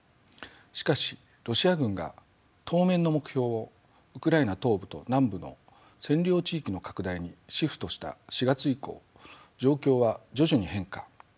しかしロシア軍が当面の目標をウクライナ東部と南部の占領地域の拡大にシフトした４月以降状況は徐々に変化。